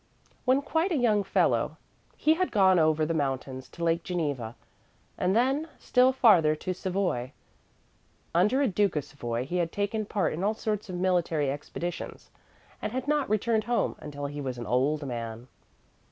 When quite a young fellow, he had gone over the mountains to Lake Geneva and then still farther to Savoy. Under a Duke of Savoy he had taken part in all sorts of military expeditions and had not returned home until he was an old man.